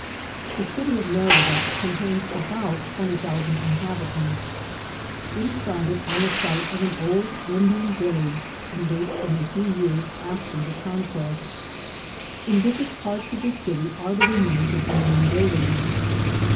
The city of Merida contains about twenty thousand inhabitants. It is founded on the site of an old Indian village, and dates from a few years after the conquest. In different parts of the city are the remains of Indian buildings.